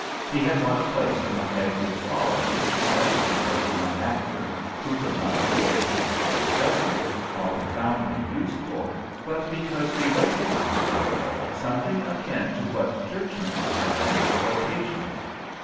He had won a place among Edwards's following not only because the young actor, who could not afford to employ a dresser, often found him useful, but because he recognized in Paul something akin to what churchmen term "vocation."